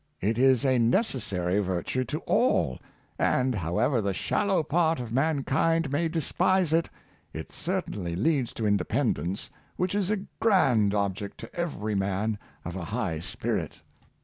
It is a necessary virtue to all; and however the shallow part of mankind may despise it, it certain ly leads to independence, which is a grand object to ^very man of a high spirit."